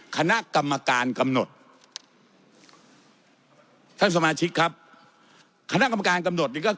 คณะกรรมการกำหนดท่านสมาชิกครับคณะกรรมการกำหนดนี่ก็